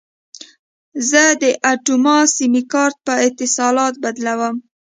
زه د اټوما سیم کارت په اتصالات بدلوم.